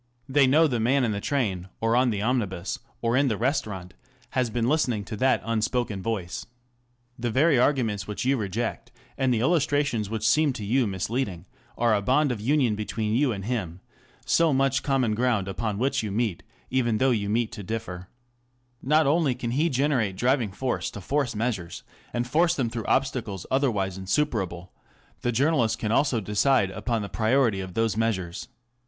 They know the man in the train or on the omnibus, or in the restaurant, has been listening to that unspoken voice. The very arguments which you reject, and the illustrations which seem to you misleading, are a bond of union between you and him ŌĆö so much common ground upon which you meet, even though you meet to differ. Digitized by Google GOVERNMENT BY JOURNALISM. 663 Not only can he generate driving force to force measures, and force them through obstacles otherwise insuperable ŌĆö the journalist can also decide upon the priority of those measures.